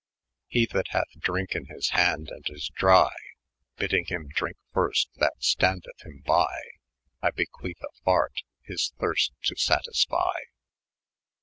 iss ' He that' hath drynke in his hand, and is dry, Byddyng him drinke fyrst that standeth him by ; I bequeth a fart, his thyrst to satysfy.